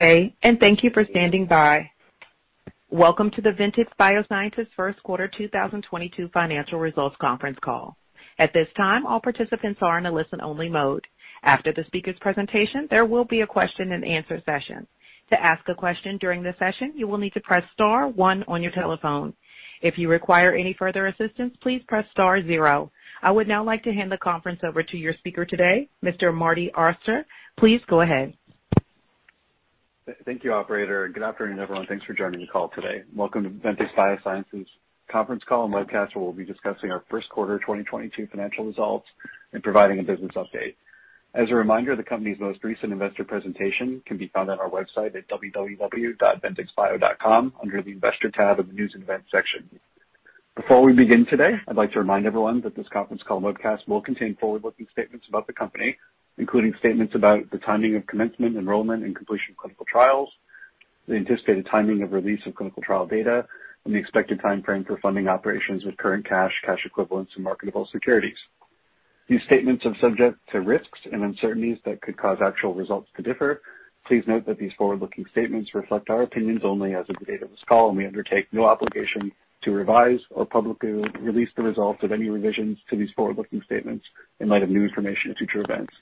Thank you for standing by. Welcome to the Ventyx Biosciences's first quarter 2022 financial results conference call. At this time, all participants are in a listen-only mode. After the speaker's presentation, there will be a question and answer session. To ask a question during the session, you will need to press star one on your telephone. If you require any further assistance, please press star zero. I would now like to hand the conference over to your speaker today, Mr. Marty Auster. Please go ahead. Thank you, operator. Good afternoon, everyone. Thanks for joining the call today. Welcome to Ventyx Biosciences conference call and webcast, where we'll be discussing our first quarter 2022 financial results and providing a business update. As a reminder, the company's most recent investor presentation can be found on our website at www.ventyxbio.com under the Investor tab of the News and Events section. Before we begin today, I'd like to remind everyone that this conference call and webcast will contain forward-looking statements about the company, including statements about the timing of commencement, enrollment, and completion of clinical trials, the anticipated timing of release of clinical trial data, and the expected timeframe for funding operations with current cash equivalents, and marketable securities. These statements are subject to risks and uncertainties that could cause actual results to differ. Please note that these forward-looking statements reflect our opinions only as of the date of this call, and we undertake no obligation to revise or publicly release the results of any revisions to these forward-looking statements in light of new information and future events.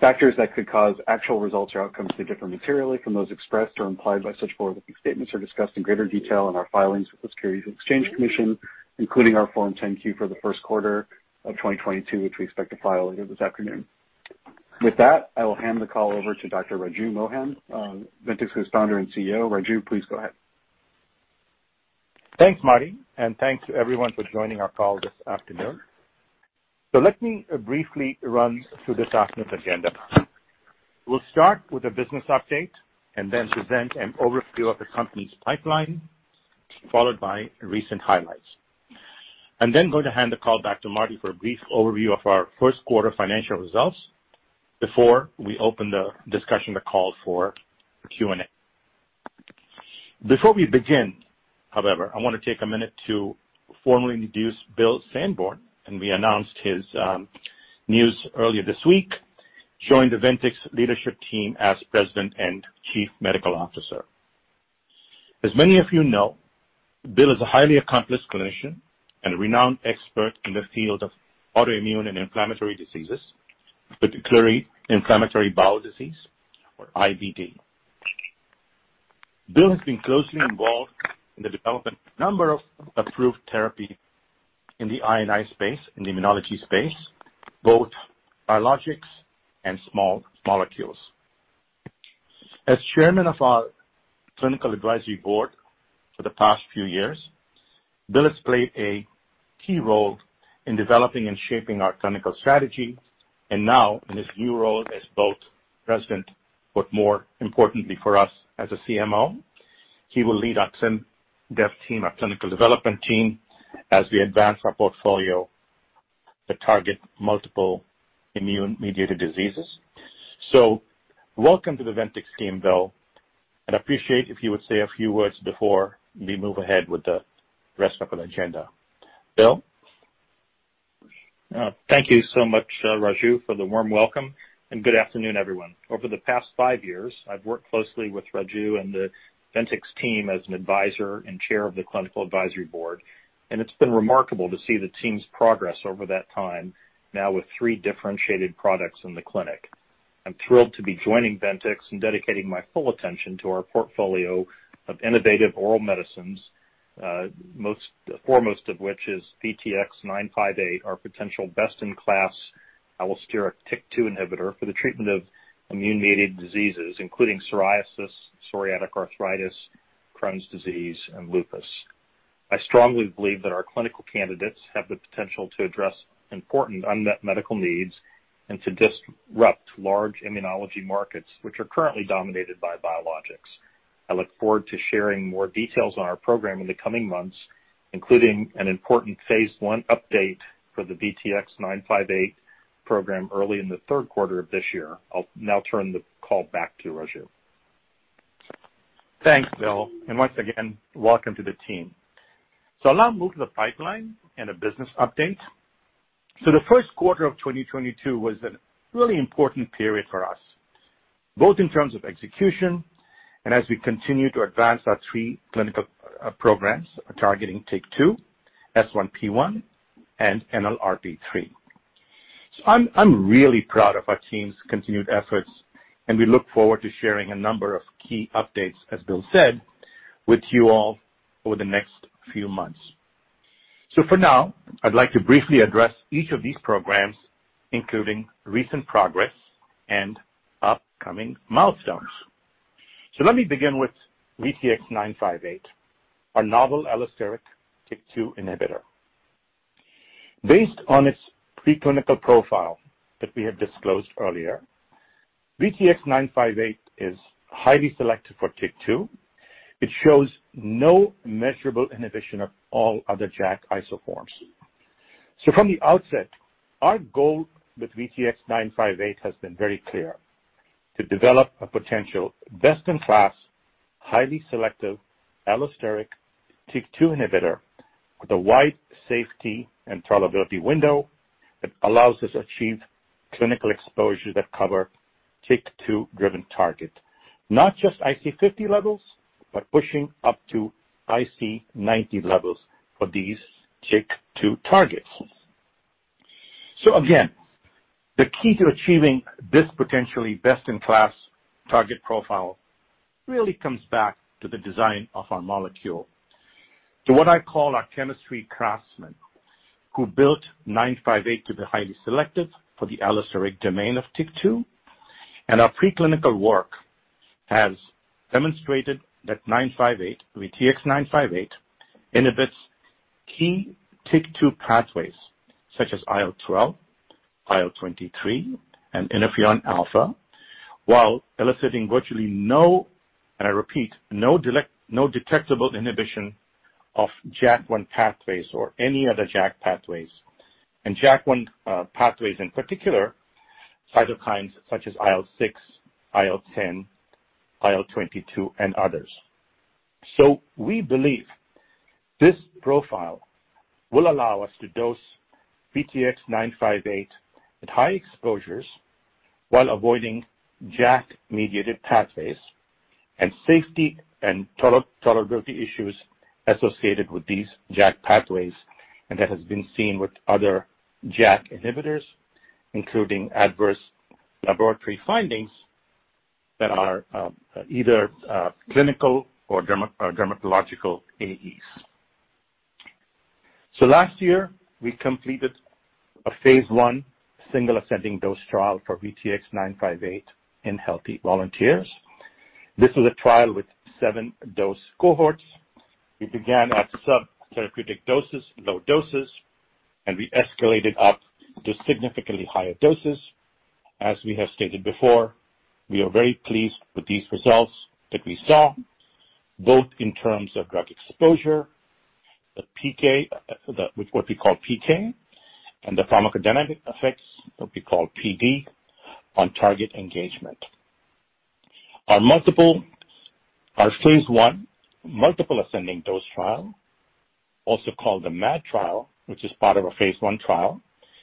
Factors that could cause actual results or outcomes to differ materially from those expressed or implied by such forward-looking statements are discussed in greater detail in our filings with the Securities and Exchange Commission, including our Form 10-Q for the first quarter of 2022, which we expect to file later this afternoon. With that, I will hand the call over to Dr. Raju Mohan, Ventyx's founder and CEO. Raju, please go ahead. Thanks, Marty, and thanks to everyone for joining our call this afternoon. Let me briefly run through this afternoon's agenda. We'll start with a business update and then present an overview of the company's pipeline, followed by recent highlights. I'm then going to hand the call back to Marty for a brief overview of our first quarter financial results before we open the discussion, the call for Q&A. Before we begin, however, I wanna take a minute to formally introduce Bill Sandborn, and we announced his news earlier this week, joining the Ventyx leadership team as President and Chief Medical Officer. As many of you know, Bill is a highly accomplished clinician and renowned expert in the field of autoimmune and inflammatory diseases, particularly inflammatory bowel disease or IBD. Bill has been closely involved in the development of a number of approved therapies in the I&I space, in the immunology space, both biologics and small molecules. As chairman of our clinical advisory board for the past few years, Bill has played a key role in developing and shaping our clinical strategy. Now in his new role as both president, but more importantly for us as a CMO, he will lead our clin dev team, our clinical development team, as we advance our portfolio to target multiple immune-mediated diseases. Welcome to the Ventyx team, Bill, and appreciate if you would say a few words before we move ahead with the rest of the agenda. Bill? Thank you so much, Raju, for the warm welcome, and good afternoon, everyone. Over the past five years, I've worked closely with Raju and the Ventyx team as an advisor and chair of the clinical advisory board, and it's been remarkable to see the team's progress over that time, now with three differentiated products in the clinic. I'm thrilled to be joining Ventyx and dedicating my full attention to our portfolio of innovative oral medicines, foremost of which is VTX958, our potential best-in-class allosteric TYK2 inhibitor for the treatment of immune-mediated diseases, including psoriasis, psoriatic arthritis, Crohn's disease, and lupus. I strongly believe that our clinical candidates have the potential to address important unmet medical needs and to disrupt large immunology markets, which are currently dominated by biologics. I look forward to sharing more details on our program in the coming months, including an important phase I update for the VTX958 program early in the third quarter of this year. I'll now turn the call back to Raju. Thanks, Bill, and once again, welcome to the team. I'll now move to the pipeline and a business update. The first quarter of 2022 was a really important period for us, both in terms of execution and as we continue to advance our three clinical programs targeting TYK2, S1P1, and NLRP3. I'm really proud of our team's continued efforts, and we look forward to sharing a number of key updates, as Bill said, with you all over the next few months. For now, I'd like to briefly address each of these programs, including recent progress and upcoming milestones. Let me begin with VTX958, our novel allosteric TYK2 inhibitor. Based on its preclinical profile that we have disclosed earlier, VTX958 is highly selective for TYK2. It shows no measurable inhibition of all other JAK isoforms. From the outset, our goal with VTX958 has been very clear: to develop a potential best-in-class, highly selective allosteric TYK2 inhibitor. With a wide safety and tolerability window that allows us to achieve clinical exposure that cover TYK2 driven target. Not just IC 50 levels, but pushing up to IC 90 levels for these TYK2 targets. Again, the key to achieving this potentially best in class target profile really comes back to the design of our molecule, to what I call our chemistry craftsman, who built 958 to be highly selective for the allosteric domain of TYK2. Our preclinical work has demonstrated that 958, VTX-958, inhibits key TYK2 pathways such as IL-12, IL-23, and interferon alpha, while eliciting virtually no, and I repeat, no detectable inhibition of JAK1 pathways or any other JAK pathways, and JAK1 pathways in particular, cytokines such as IL-6, IL-10, IL-22, and others. We believe this profile will allow us to dose VTX-958 at high exposures while avoiding JAK-mediated pathways and safety and tolerability issues associated with these JAK pathways, and that has been seen with other JAK inhibitors, including adverse laboratory findings that are either clinical or dermatological AEs. Last year, we completed a phase I single ascending dose trial for VTX-958 in healthy volunteers. This was a trial with seven dose cohorts. We began at subtherapeutic doses, low doses, and we escalated up to significantly higher doses. As we have stated before, we are very pleased with these results that we saw, both in terms of drug exposure, the PK, with what we call PK, and the pharmacodynamic effects, what we call PD, on target engagement. Our phase I multiple ascending dose trial, also called the MAD trial, which is part of a phase I trial,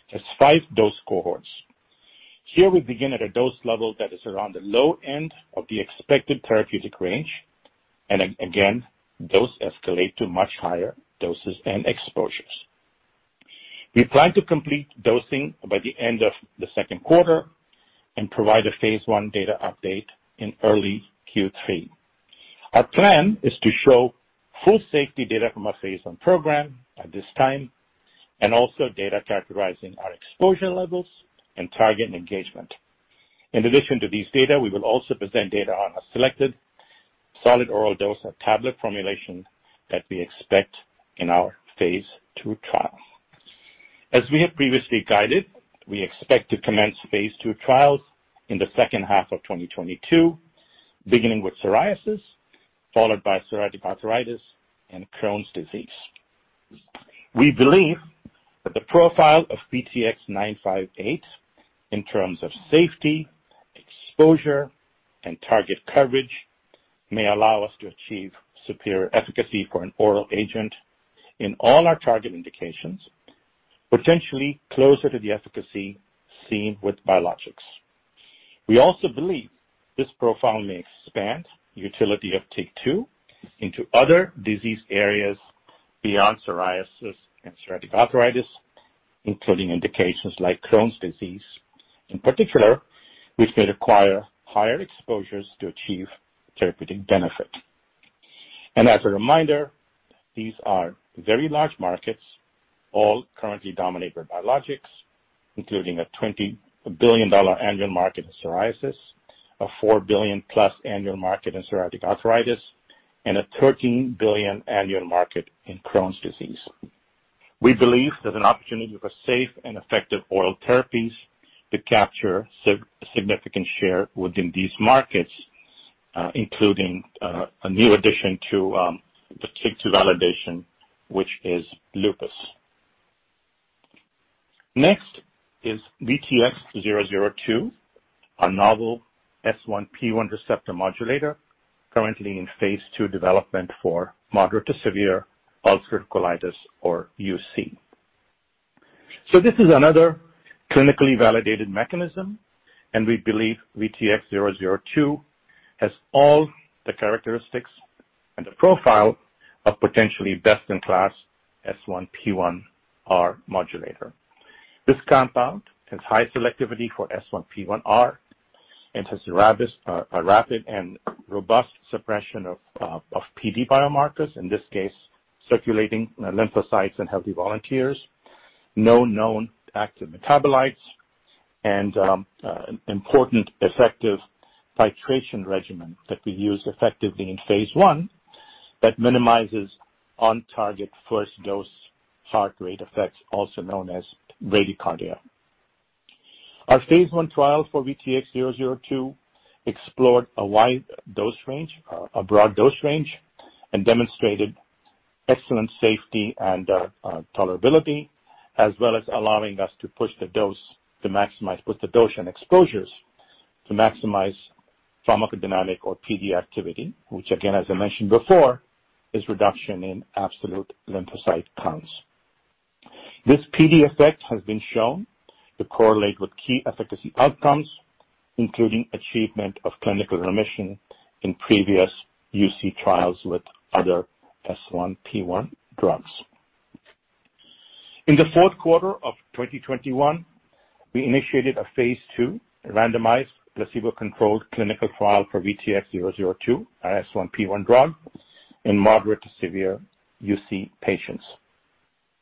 has five dose cohorts. Here we begin at a dose level that is around the low end of the expected therapeutic range, and again, dose escalate to much higher doses and exposures. We plan to complete dosing by the end of the second quarter and provide a phase I data update in early Q3. Our plan is to show full safety data from our phase I program at this time, and also data characterizing our exposure levels and target engagement. In addition to these data, we will also present data on a selected solid oral dose, a tablet formulation that we expect in our phase II trial. As we have previously guided, we expect to commence phase II trials in the second half of 2022, beginning with psoriasis, followed by psoriatic arthritis and Crohn's disease. We believe that the profile of VTX-958 in terms of safety, exposure, and target coverage may allow us to achieve superior efficacy for an oral agent in all our target indications, potentially closer to the efficacy seen with biologics. We also believe this profile may expand the utility of TYK2 into other disease areas beyond psoriasis and psoriatic arthritis, including indications like Crohn's disease, in particular, which may require higher exposures to achieve therapeutic benefit. As a reminder, these are very large markets, all currently dominated by biologics, including a $20 billion annual market in psoriasis, a $4 billion-plus annual market in psoriatic arthritis, and a $13 billion annual market in Crohn's disease. We believe there's an opportunity for safe and effective oral therapies to capture significant share within these markets, including a new addition to the TYK2 validation, which is lupus. Next is VTX002, a novel S1P1 receptor modulator currently in phase II development for moderate to severe ulcerative colitis or UC. This is another clinically validated mechanism, and we believe VTX002 has all the characteristics and the profile of potentially best in class S1P1R modulator. This compound has high selectivity for S1P1R and has rapid and robust suppression of PD biomarkers, in this case, circulating lymphocytes in healthy volunteers, no known active metabolites, and important effective titration regimen that we use effectively in phase I that minimizes on target first dose heart rate effects, also known as bradycardia. Our phase I trial for VTX002 explored a broad dose range and demonstrated excellent safety and tolerability as well as allowing us to push the dose and exposures to maximize pharmacodynamic or PD activity, which again, as I mentioned before, is reduction in absolute lymphocyte counts. This PD effect has been shown to correlate with key efficacy outcomes, including achievement of clinical remission in previous UC trials with other S1P1 drugs. In the fourth quarter of 2021, we initiated a phase II randomized placebo-controlled clinical trial for VTX002, our S1P1 drug, in moderate to severe UC patients.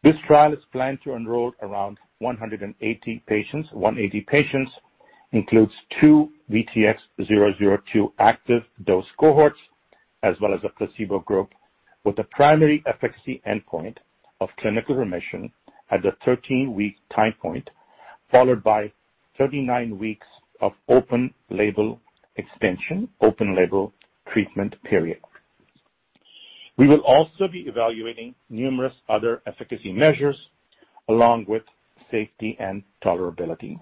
This trial is planned to enroll around 180 patients, includes two VTX002 active dose cohorts, as well as a placebo group with a primary efficacy endpoint of clinical remission at the 13-week time point, followed by 39 weeks of open-label extension open-label treatment period. We will also be evaluating numerous other efficacy measures along with safety and tolerability.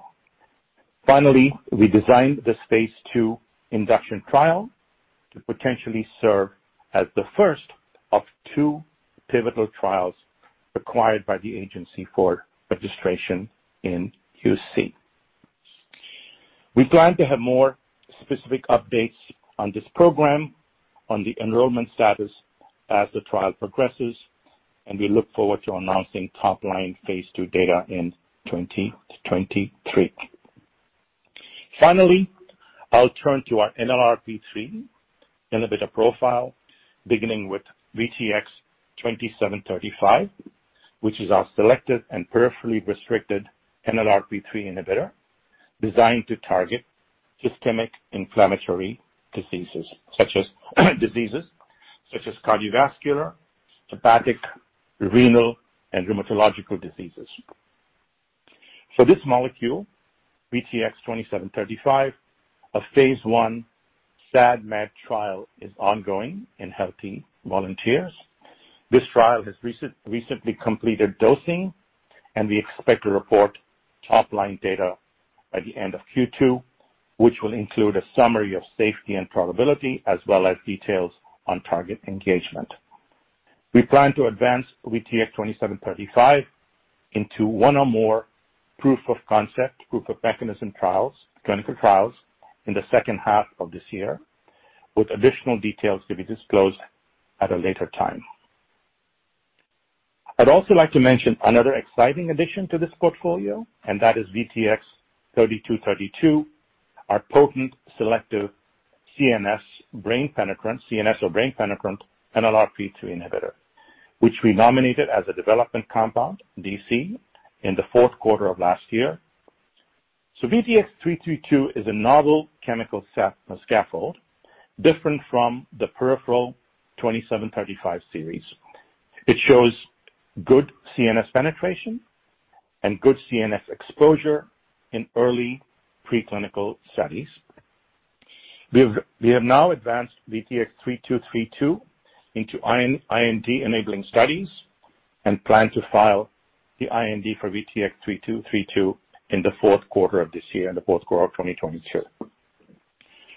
Finally, we designed this phase II induction trial to potentially serve as the first of two pivotal trials required by the agency for registration in UC. We plan to have more specific updates on this program on the enrollment status as the trial progresses, and we look forward to announcing top-line phase II data in 2023. Finally, I'll turn to our NLRP3 inhibitor profile, beginning with VTX2735, which is our selected and peripherally restricted NLRP3 inhibitor designed to target systemic inflammatory diseases such as cardiovascular, hepatic, renal, and rheumatological diseases. For this molecule, VTX2735, a phase I SAD/MAD trial is ongoing in healthy volunteers. This trial has recently completed dosing, and we expect to report top-line data by the end of Q2, which will include a summary of safety and tolerability as well as details on target engagement. We plan to advance VTX2735 into one or more proof of concept, proof of mechanism trials, clinical trials in the second half of this year with additional details to be disclosed at a later time. I'd also like to mention another exciting addition to this portfolio, and that is VTX3232, our potent selective CNS brain penetrant, CNS or brain penetrant NLRP3 inhibitor, which we nominated as a development compound, DC, in the fourth quarter of last year. VTX3232 is a novel chemical set, scaffold different from the peripheral VTX2735 series. It shows good CNS penetration and good CNS exposure in early preclinical studies. We have now advanced VTX3232 into IND-enabling studies and plan to file the IND for VTX3232 in the fourth quarter of this year, in the fourth quarter of 2022.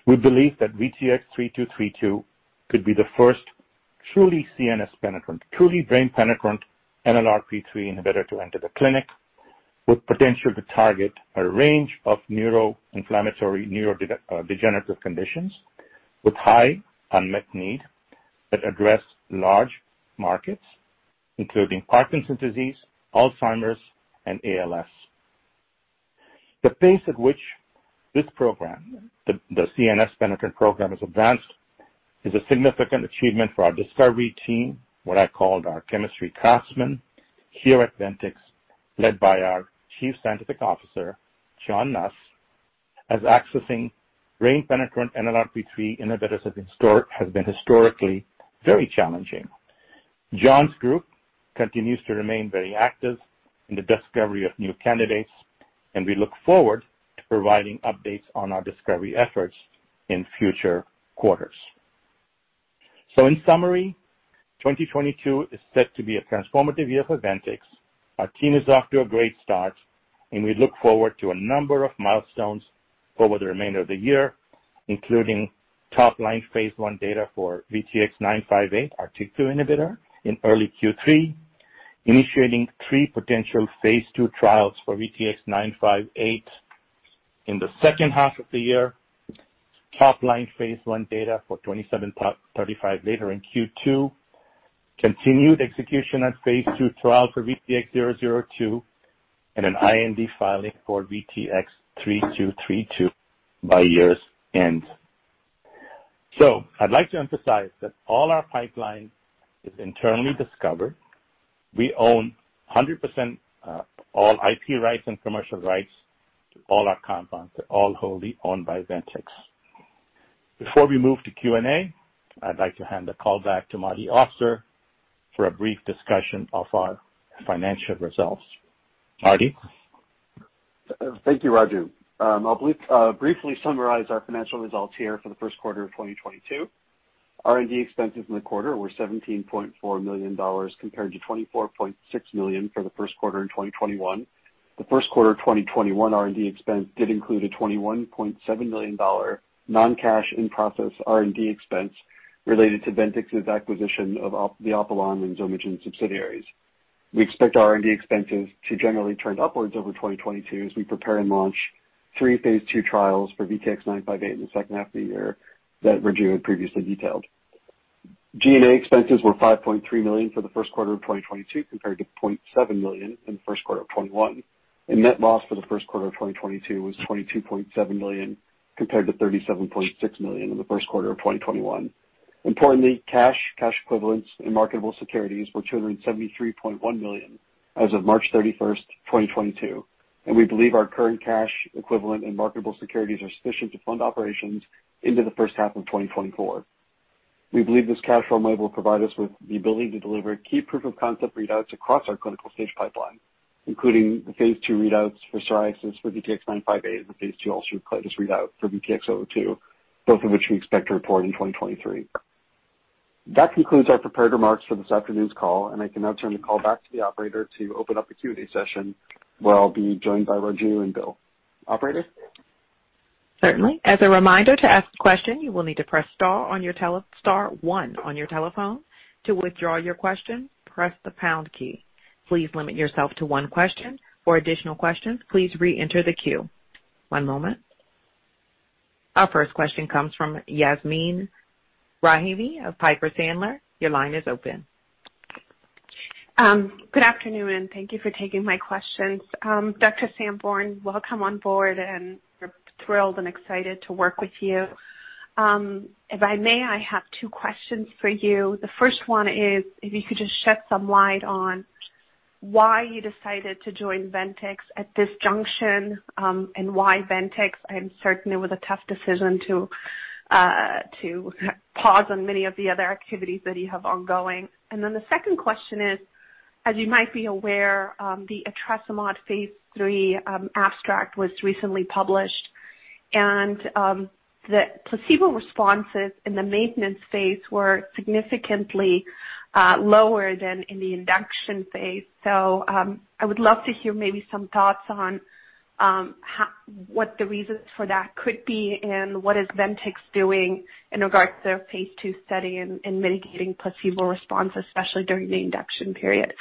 We believe that VTX3232 could be the first truly CNS penetrant, truly brain penetrant NLRP3 inhibitor to enter the clinic with potential to target a range of neuroinflammatory degenerative conditions with high unmet need that address large markets, including Parkinson's disease, Alzheimer's, and ALS. The pace at which this program, the CNS penetrant program, has advanced is a significant achievement for our discovery team, what I call our chemistry craftsmen here at Ventyx, led by our chief scientific officer, John Nuss, as accessing brain penetrant NLRP3 inhibitors has been historically very challenging. John's group continues to remain very active in the discovery of new candidates, and we look forward to providing updates on our discovery efforts in future quarters. In summary, 2022 is set to be a transformative year for Ventyx. Our team is off to a great start, and we look forward to a number of milestones over the remainder of the year, including top-line phase I data for VTX958, our TYK2 inhibitor, in early Q3, initiating three potential phase II trials for VTX958 in the second half of the year. Top-line phase I data for VTX2735 later in Q2, continued execution on phase II trial for VTX002, and an IND filing for VTX3232 by year's end. I'd like to emphasize that all our pipeline is internally discovered. We own 100%, all IP rights and commercial rights to all our compounds. They're all wholly owned by Ventyx. Before we move to Q&A, I'd like to hand the call back to Marty Auster for a brief discussion of our financial results. Marty? Thank you, Raju. I'll briefly summarize our financial results here for the first quarter of 2022. R&D expenses in the quarter were $17.4 million compared to $24.6 million for the first quarter of 2021. The first quarter of 2021 R&D expense did include a $21.7 million non-cash in-process R&D expense related to Ventyx's acquisition of the Oppilan and Zomagen subsidiaries. We expect R&D expenses to generally trend upwards over 2022 as we prepare and launch three phase II trials for VTX958 in the second half of the year that Raju had previously detailed. G&A expenses were $5.3 million for the first quarter of 2022, compared to $0.7 million in the first quarter of 2021. Net loss for the first quarter of 2022 was $22.7 million, compared to $37.6 million in the first quarter of 2021. Importantly, cash equivalents and marketable securities were $273.1 million as of March 31, 2022, and we believe our current cash equivalent and marketable securities are sufficient to fund operations into the first half of 2024. We believe this cash flow model will provide us with the ability to deliver key proof of concept readouts across our clinical stage pipeline, including the phase II readouts for psoriasis for VTX958 and the phase II ulcerative colitis readout for VTX002, both of which we expect to report in 2023. That concludes our prepared remarks for this afternoon's call, and I can now turn the call back to the operator to open up the Q&A session, where I'll be joined by Raju and Bill. Operator? Certainly. As a reminder, to ask a question, you will need to press star one on your telephone. To withdraw your question, press the pound key. Please limit yourself to one question. For additional questions, please reenter the queue. One moment. Our first question comes from Yasmeen Rahimi of Piper Sandler. Your line is open. Good afternoon, and thank you for taking my questions. Dr. Sandborn, welcome on board, and we're thrilled and excited to work with you. If I may, I have two questions for you. The first one is if you could just shed some light on why you decided to join Ventyx at this juncture, and why Ventyx? I'm certain it was a tough decision to pass on many of the other activities that you have ongoing. The second question is, as you might be aware, the etrasimod phase III abstract was recently published, and the placebo responses in the maintenance phase were significantly lower than in the induction phase. I would love to hear maybe some thoughts on how, what the reasons for that could be and what is Ventyx doing in regards to phase II study and mitigating placebo response, especially during the induction period.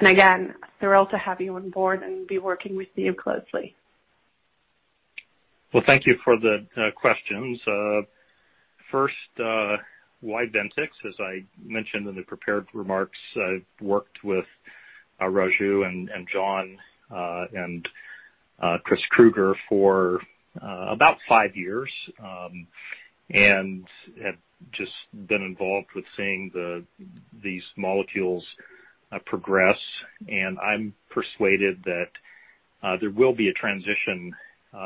Again, thrilled to have you on board and be working with you closely. Well, thank you for the questions. First, why Ventyx? As I mentioned in the prepared remarks, I've worked with Raju and John and Chris Krueger for about five years and have just been involved with seeing these molecules progress. I'm persuaded that there will be a transition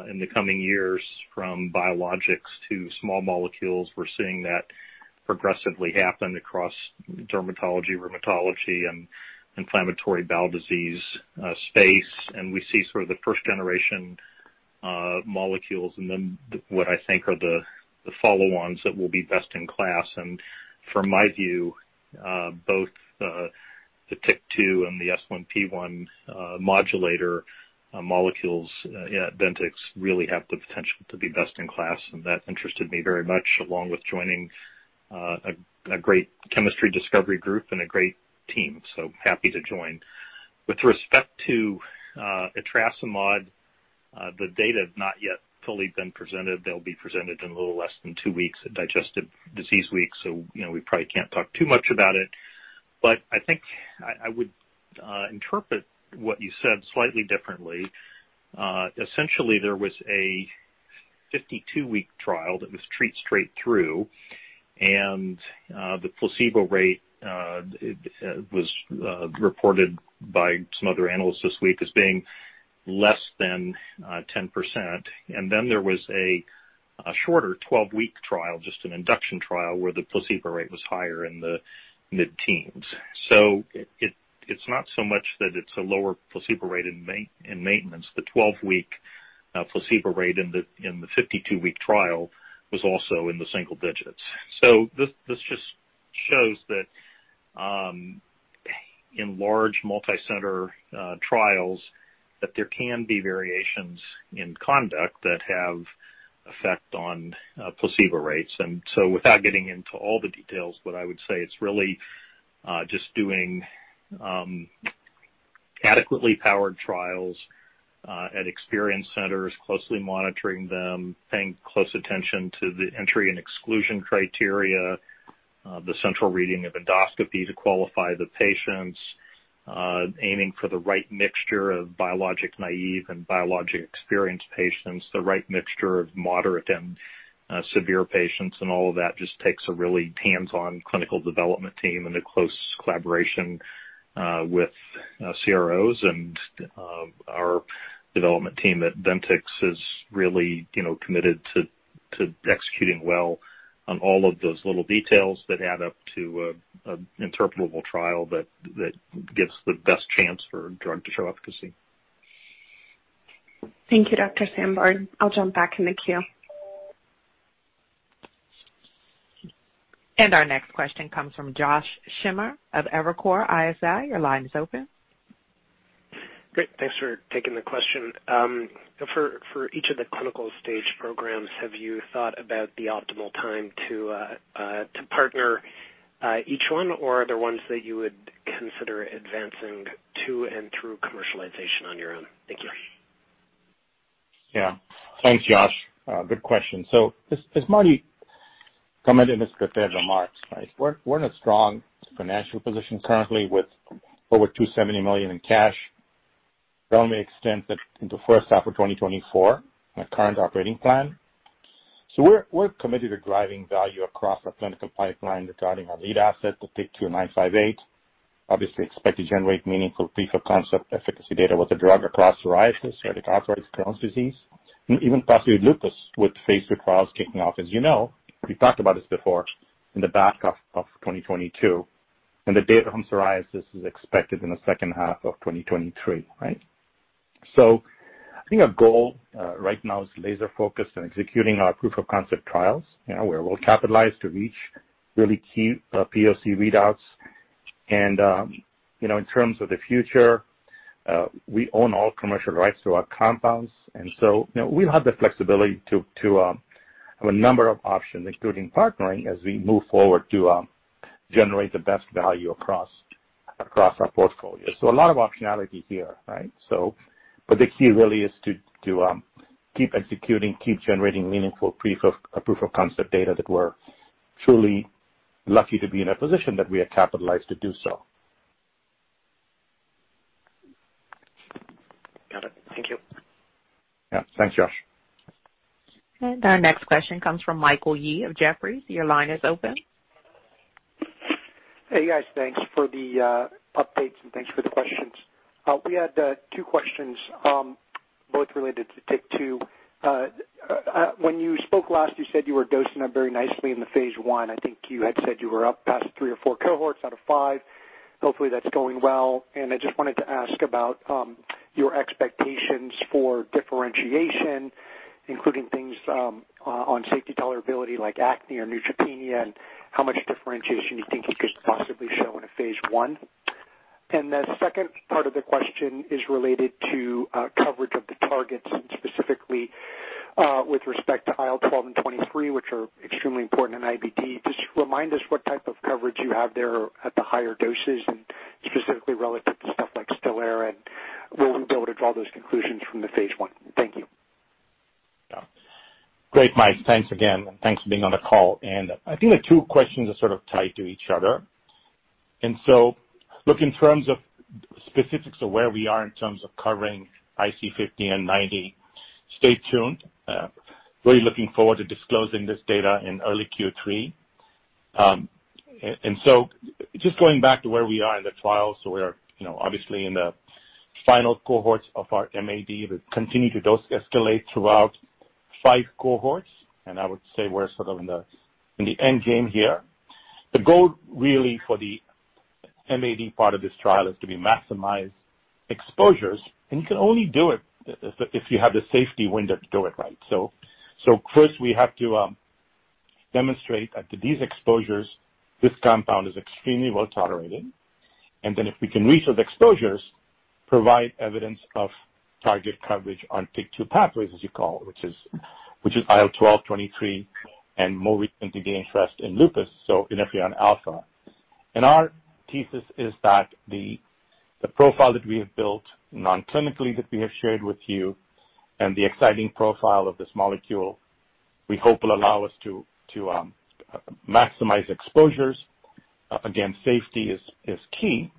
in the coming years from biologics to small molecules. We're seeing that progressively happen across dermatology, rheumatology and inflammatory bowel disease space. We see sort of the first generation molecules and then what I think are the follow-ons that will be best in class. From my view, both the TYK2 and the S1P1 modulator molecules at Ventyx really have the potential to be best in class. That interested me very much along with joining a great chemistry discovery group and a great team, so happy to join. With respect to etrasimod, the data have not yet fully been presented. They'll be presented in a little less than two weeks at Digestive Disease Week, so, you know, we probably can't talk too much about it. I think I would interpret what you said slightly differently. Essentially there was a 52-week trial that was treated straight through, and the placebo rate was reported by some other analysts this week as being less than 10%. Then there was a shorter 12-week trial, just an induction trial, where the placebo rate was higher in the mid-teens. It's not so much that it's a lower placebo rate in maintenance. The 12-week placebo rate in the 52-week trial was also in the single digits. This just shows that in large multi-center trials, that there can be variations in conduct that have effect on placebo rates. Without getting into all the details, what I would say, it's really just doing adequately powered trials at experienced centers, closely monitoring them, paying close attention to the entry and exclusion criteria, the central reading of endoscopy to qualify the patients, aiming for the right mixture of biologic naive and biologic experienced patients, the right mixture of moderate and severe patients. All of that just takes a really hands-on clinical development team and a close collaboration with CROs and our development team at Ventyx is really, you know, committed to executing well on all of those little details that add up to an interpretable trial that gives the best chance for a drug to show efficacy. Thank you, Dr. Sandborn. I'll jump back in the queue. Our next question comes from Josh Schimmer of Evercore ISI. Your line is open. Great. Thanks for taking the question. For each of the clinical-stage programs, have you thought about the optimal time to partner each one? Or are there ones that you would consider advancing to and through commercialization on your own? Thank you. Yeah. Thanks, Josh. Good question. As Marty commented in his prepared remarks, right, we're in a strong financial position currently with over $270 million in cash. That only extends it into the first half of 2024 in our current operating plan. We're committed to driving value across our clinical pipeline regarding our lead asset VTX958. Obviously expect to generate meaningful proof of concept efficacy data with the drug across psoriasis, psoriatic arthritis, Crohn's disease, and even possibly lupus, with phase III trials kicking off, as you know, we've talked about this before in the back half of 2022, and the data from psoriasis is expected in the second half of 2023, right? I think our goal right now is laser-focused on executing our proof of concept trials, you know, where we're capitalized to reach really key POC readouts. You know, in terms of the future, we own all commercial rights to our compounds, and so, you know, we have the flexibility to have a number of options, including partnering as we move forward to generate the best value across our portfolio. A lot of optionality here, right? The key really is to keep executing, keep generating meaningful proof of concept data that we're truly lucky to be in a position that we are capitalized to do so. Got it. Thank you. Yeah. Thanks, Josh. Our next question comes from Michael Yee of Jefferies. Your line is open. Hey, guys. Thanks for the updates, and thanks for the questions. We had two questions, both related to TYK2. When you spoke last, you said you were dosing up very nicely in the phase I. I think you had said you were up past three or four cohorts out of five. Hopefully, that's going well. I just wanted to ask about your expectations for differentiation, including things on safety tolerability like acne or neutropenia, and how much differentiation you think you could possibly show in a phase I. The second part of the question is related to coverage of the targets, and specifically, with respect to IL-12 and IL-23, which are extremely important in IBD. Just remind us what type of coverage you have there at the higher doses and specifically relative to stuff like Stelara, and will we be able to draw those conclusions from the phase I? Thank you. Yeah. Great, Mike. Thanks again, and thanks for being on the call. I think the two questions are sort of tied to each other. Look in terms of specifics of where we are in terms of covering IC 50 and IC 90, stay tuned. Really looking forward to disclosing this data in early Q3. Just going back to where we are in the trial, we are, you know, obviously in the final cohorts of our MAD that continue to dose escalate throughout five cohorts, and I would say we're sort of in the end game here. The goal really for the MAD part of this trial is to maximize exposures, and you can only do it if you have the safety window to do it right. First we have to demonstrate that to these exposures, this compound is extremely well tolerated. Then if we can reach those exposures, provide evidence of target coverage on TYK2 pathways, as you call it, which is IL-12, IL-23, and more recently gained interest in lupus, so interferon alpha. Our thesis is that the profile that we have built non-clinically, that we have shared with you and the exciting profile of this molecule we hope will allow us to maximize exposures. Again, safety is key.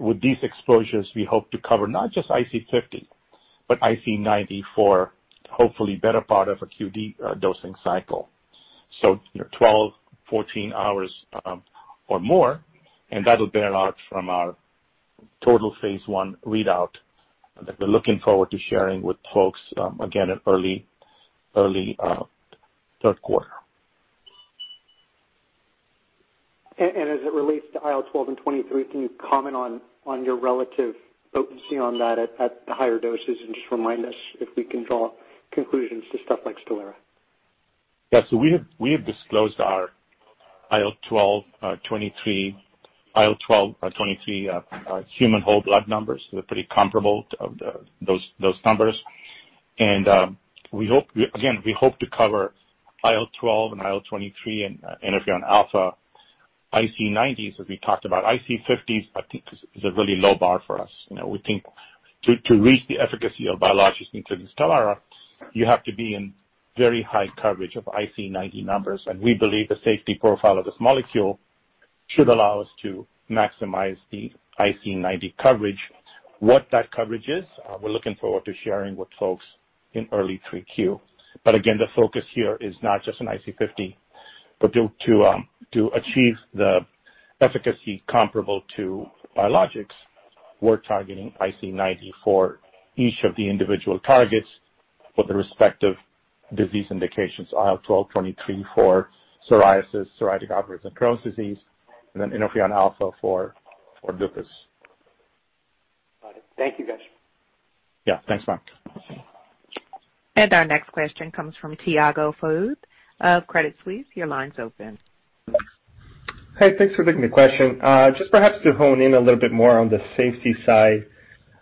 With these exposures, we hope to cover not just IC 50, but IC 90 for hopefully better part of a QD dosing cycle. you know, 12 hours, 14 hours, or more, and that'll bear out from our total phase I readout that we're looking forward to sharing with folks, again in early, third quarter. As it relates to IL-12 and IL-23, can you comment on your relative potency on that at the higher doses, and just remind us if we can draw conclusions to stuff like Stelara? We have disclosed our IL-12, IL-23 human whole blood numbers. They're pretty comparable to those numbers. We hope to cover IL-12 and IL-23 and interferon alpha IC 90s as we talked about. IC 50s I think is a really low bar for us. You know, we think to reach the efficacy of biologics, including Stelara, you have to be in very high coverage of IC 90 numbers. We believe the safety profile of this molecule should allow us to maximize the IC 90 coverage. What that coverage is, we're looking forward to sharing with folks in early 3Q. Again, the focus here is not just on IC 50, but to achieve the efficacy comparable to biologics, we're targeting IC 90 for each of the individual targets. For the respective disease indications, IL-12, IL-23 for psoriasis, psoriatic arthritis, and Crohn's disease, and then interferon alpha for lupus. Got it. Thank you, guys. Yeah. Thanks, Mark. Our next question comes from Tiago Fauth of Credit Suisse. Your line's open. Hey, thanks for taking the question. Just perhaps to hone in a little bit more on the safety side.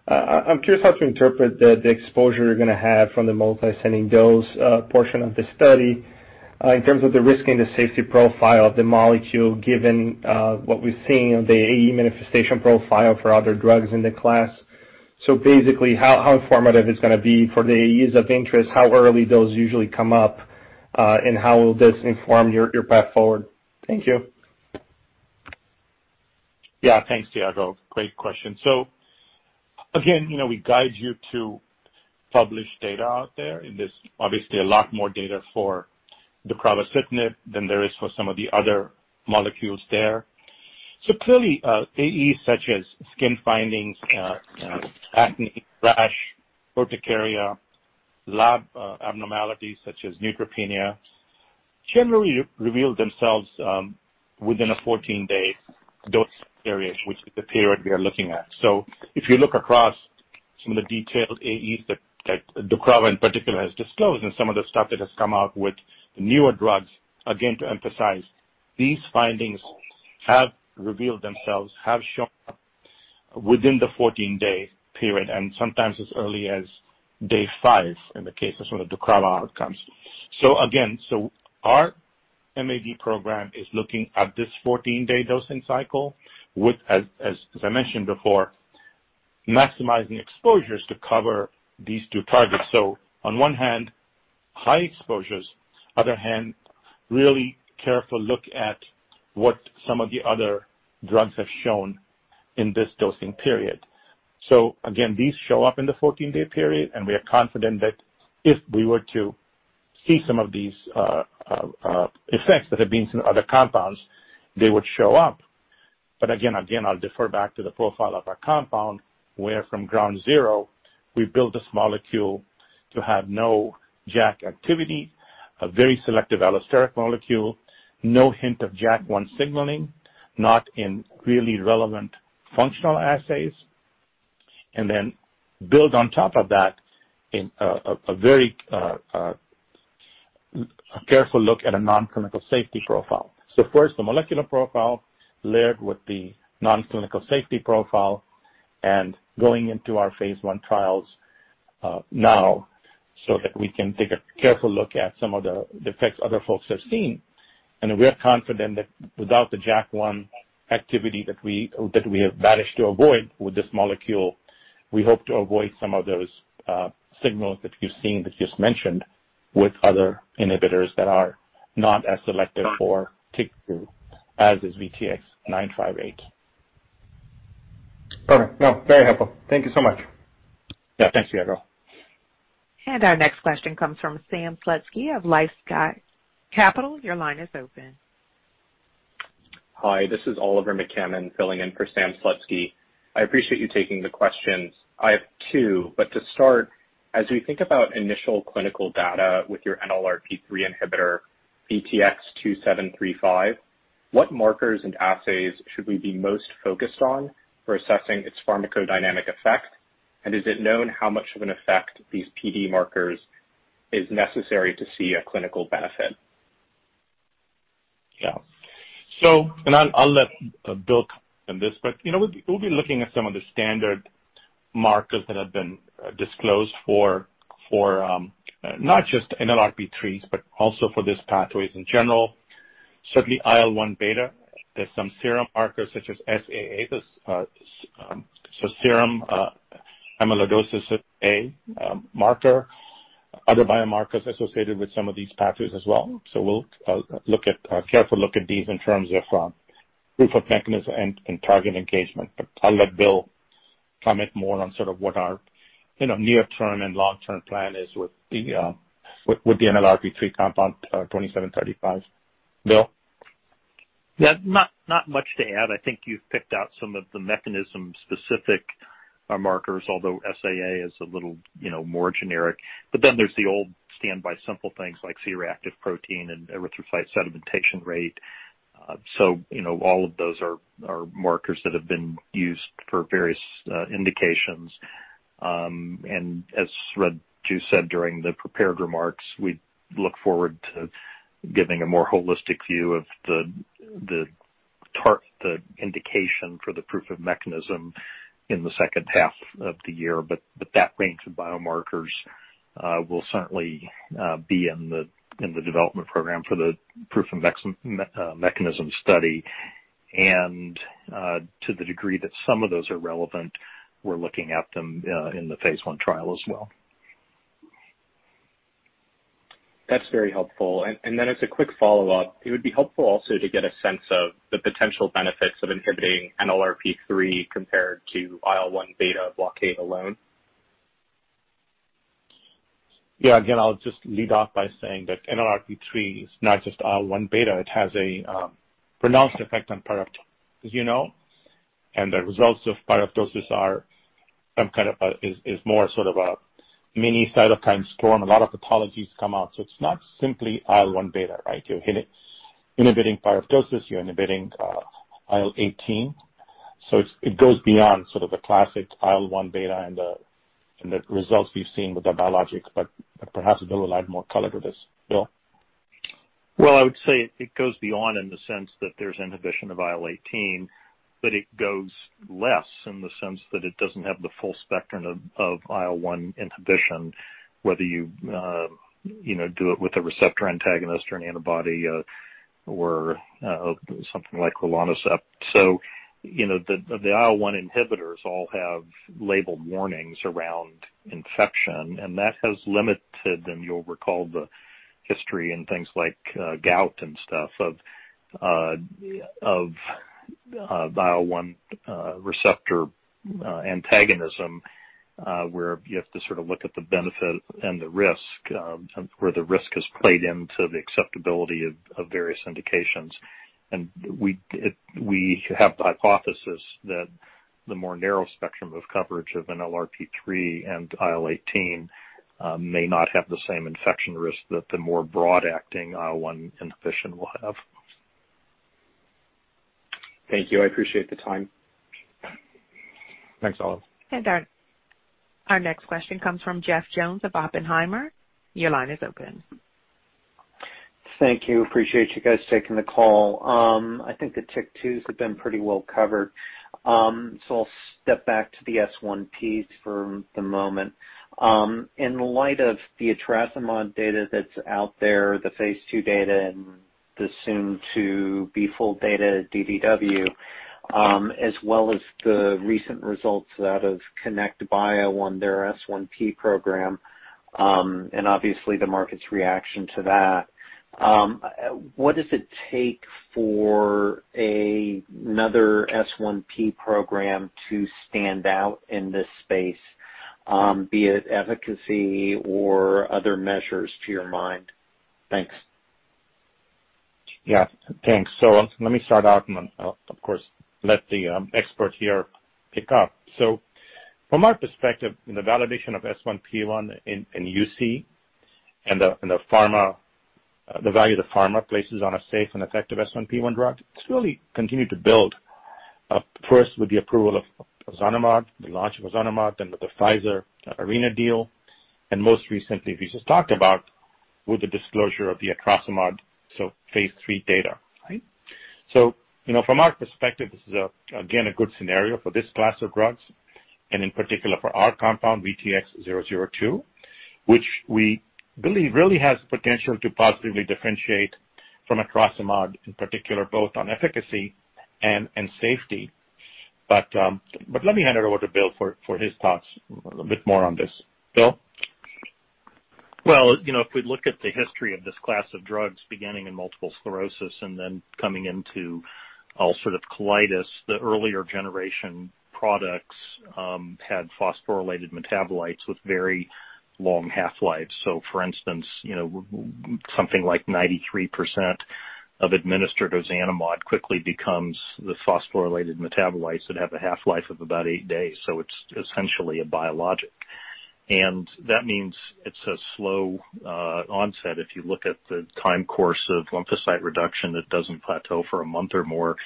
I'm curious how to interpret the exposure you're gonna have from the multiple ascending dose portion of the study in terms of the risk and the safety profile of the molecule, given what we've seen of the AE manifestation profile for other drugs in the class. Basically, how informative it's gonna be for the AEs of interest, how early those usually come up, and how will this inform your path forward? Thank you. Yeah. Thanks, Tiago. Great question. Again, you know, we guide you to publish data out there, and there's obviously a lot more data for the deucravacitinib than there is for some of the other molecules there. Clearly, AEs such as skin findings, acne, rash, urticaria, lab abnormalities such as neutropenia, generally reveal themselves within a 14-day dose area, which is the period we are looking at. If you look across some of the detailed AEs that, like, deucravacitinib in particular has disclosed and some of the stuff that has come out with newer drugs, again, to emphasize, these findings have revealed themselves, have shown up within the 14-day period, and sometimes as early as day five in the case of some of the deucravacitinib outcomes. Again, our MAD program is looking at this 14-day dosing cycle with as I mentioned before, maximizing exposures to cover these two targets. On one hand, high exposures, other hand, really careful look at what some of the other drugs have shown in this dosing period. Again, these show up in the 14-day period, and we are confident that if we were to see some of these effects that have been seen in other compounds, they would show up. Again, I'll defer back to the profile of our compound, where from ground zero, we built this molecule to have no JAK activity, a very selective allosteric molecule, no hint of JAK1 signaling, not in really relevant functional assays, and then build on top of that a very careful look at a non-clinical safety profile. First, the molecular profile layered with the non-clinical safety profile and going into our phase I trials, now so that we can take a careful look at some of the defects other folks have seen. We are confident that without the JAK1 activity that we have managed to avoid with this molecule, we hope to avoid some of those signals that you've seen, that you just mentioned with other inhibitors that are not as selective for TYK2 as is VTX958. Perfect. No, very helpful. Thank you so much. Yeah. Thanks, Tiago. Our next question comes from Sam Slutsky of LifeSci Capital. Your line is open. Hi, this is Oliver McCammon filling in for Sam Slutsky. I appreciate you taking the questions. I have two, but to start, as we think about initial clinical data with your NLRP3 inhibitor, VTX2735, what markers and assays should we be most focused on for assessing its pharmacodynamic effect? And is it known how much of an effect these PD markers is necessary to see a clinical benefit? I'll let Bill comment on this. You know, we'll be looking at some of the standard markers that have been disclosed for not just NLRP3s, but also for these pathways in general. Certainly IL-1β. There's some serum markers such as SAA, the serum amyloid A marker, other biomarkers associated with some of these pathways as well. We'll take a careful look at these in terms of proof of mechanism and target engagement. I'll let Bill comment more on sort of what our, you know, near-term and long-term plan is with the NLRP3 compound, VTX2735. Bill? Yeah. Not much to add. I think you've picked out some of the mechanism-specific markers, although SAA is a little more generic. Then there's the old standby simple things like C-reactive protein and erythrocyte sedimentation rate. All of those are markers that have been used for various indications. As Raju said during the prepared remarks, we look forward to giving a more holistic view of the indication for the proof of mechanism in the second half of the year. That range of biomarkers will certainly be in the development program for the proof of mechanism study. To the degree that some of those are relevant, we're looking at them in the phase I trial as well. That's very helpful. As a quick follow-up, it would be helpful also to get a sense of the potential benefits of inhibiting NLRP3 compared to IL-1β blockade alone. Yeah. Again, I'll just lead off by saying that NLRP3 is not just IL-1β. It has a pronounced effect on pyroptosis, as you know. The results of pyroptosis are some kind of is more sort of a mini cytokine storm. A lot of pathologies come out, so it's not simply IL-1β, right? Inhibiting pyroptosis, you're inhibiting IL-18. So it goes beyond sort of the classic IL-1β and the results we've seen with the biologics, but perhaps Bill will add more color to this. Bill? Well, I would say it goes beyond in the sense that there's inhibition of IL-18, but it goes less in the sense that it doesn't have the full spectrum of IL-1 inhibition, whether you do it with a receptor antagonist or an antibody, or something like rilonacept. The IL-1 inhibitors all have label warnings around infection, and that has limited, and you'll recall the history and things like gout and stuff, of IL-1 receptor antagonism, where you have to sort of look at the benefit and the risk, where the risk has played into the acceptability of various indications. We have the hypothesis that the more narrow spectrum of coverage of an NLRP3 and IL-18 may not have the same infection risk that the more broad acting IL-1 inhibition will have. Thank you. I appreciate the time. Thanks, Oliver. Our next question comes from Jeff Jones of Oppenheimer. Your line is open. Thank you. Appreciate you guys taking the call. I think the TYK2s have been pretty well covered. I'll step back to the S1Ps for the moment. In light of the etrasimod data that's out there, the phase II data and the soon to be full data DDW, as well as the recent results out of Connect Biopharma on their S1P program, and obviously the market's reaction to that, what does it take for another S1P program to stand out in this space, be it efficacy or other measures to your mind? Thanks. Yeah, thanks. Let me start out and then I'll of course let the expert here pick up. From our perspective, in the validation of S1P1 in UC and the pharma, the value the pharma places on a safe and effective S1P1 drug, it's really continued to build, first with the approval of ozanimod, the launch of ozanimod, then with the Pfizer Arena deal. Most recently, we just talked about with the disclosure of the etrasimod, phase three data. Right? You know, from our perspective, this is again a good scenario for this class of drugs and in particular for our compound VTX002, which we believe really has potential to positively differentiate from etrasimod in particular, both on efficacy and safety. Let me hand it over to Bill for his thoughts a bit more on this. Bill? Well, you know, if we look at the history of this class of drugs, beginning in multiple sclerosis and then coming into ulcerative colitis, the earlier generation products had phosphorylated metabolites with very long half-lives. For instance, you know, something like 93% of administered ozanimod quickly becomes the phosphorylated metabolites that have a half-life of about days days. It's essentially a biologic. That means it's a slow onset. If you look at the time course of lymphocyte reduction, it doesn't plateau for a month or more.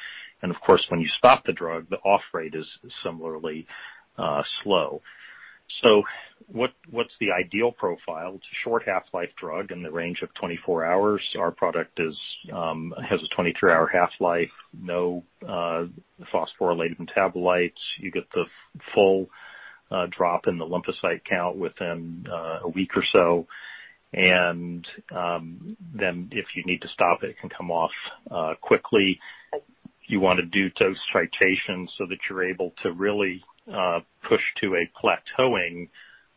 Of course, when you stop the drug, the off rate is similarly slow. What's the ideal profile? It's a short half-life drug in the range of 24 hours. Our product has a 23-hour half-life, no phosphorylated metabolites. You get the full drop in the lymphocyte count within a week or so. Then if you need to stop it can come off quickly. You wanna do dose titration so that you're able to really push to a plateauing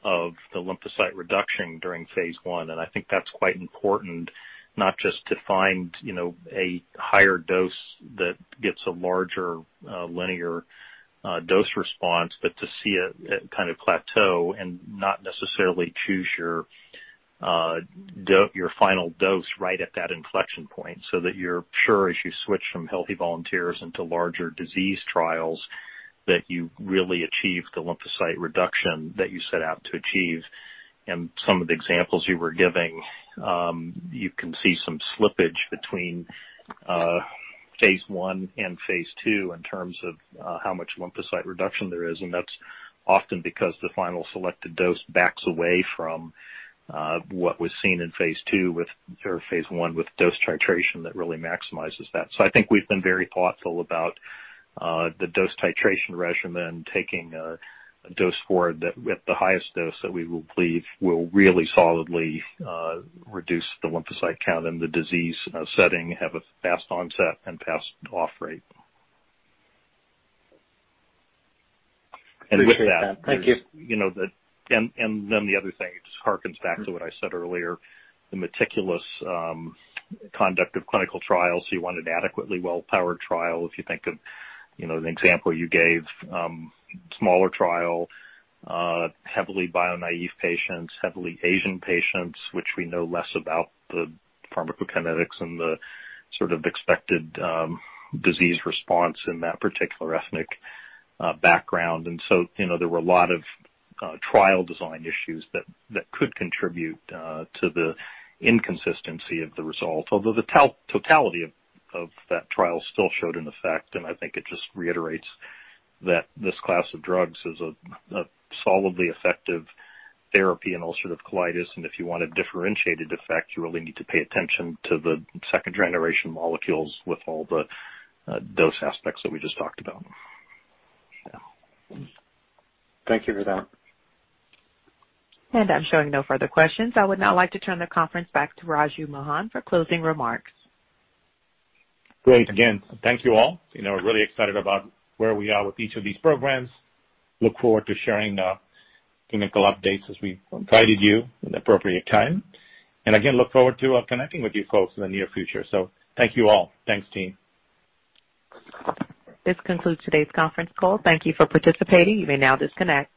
of the lymphocyte reduction during phase I. I think that's quite important, not just to find, you know, a higher dose that gets a larger linear dose response, but to see it kind of plateau and not necessarily choose your final dose right at that inflection point so that you're sure as you switch from healthy volunteers into larger disease trials, that you really achieve the lymphocyte reduction that you set out to achieve. Some of the examples you were giving, you can see some slippage between phase I and phase II in terms of how much lymphocyte reduction there is. That's often because the final selected dose backs away from what was seen in phase II with or phase I with dose titration that really maximizes that. I think we've been very thoughtful about the dose titration regimen, taking a dose forward that with the highest dose that we believe will really solidly reduce the lymphocyte count in the disease setting, have a fast onset and fast off rate. Appreciate that. Thank you. You know, then the other thing, it just harkens back to what I said earlier, the meticulous conduct of clinical trials. You want an adequately well-powered trial. If you think of, you know, the example you gave, smaller trial, heavily bio-naive patients, heavily Asian patients, which we know less about the pharmacokinetics and the sort of expected disease response in that particular ethnic background. You know, there were a lot of trial design issues that could contribute to the inconsistency of the result. Although the totality of that trial still showed an effect, and I think it just reiterates that this class of drugs is a solidly effective therapy in ulcerative colitis. If you want a differentiated effect, you really need to pay attention to the second-generation molecules with all the dose aspects that we just talked about. Yeah. Thank you for that. I'm showing no further questions. I would now like to turn the conference back to Raju Mohan for closing remarks. Great. Again, thank you all. You know, we're really excited about where we are with each of these programs. Look forward to sharing the clinical updates as we've provided you in the appropriate time. Again, look forward to connecting with you folks in the near future. Thank you all. Thanks, team. This concludes today's conference call. Thank you for participating. You may now disconnect.